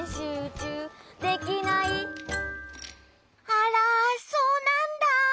あらそうなんだ。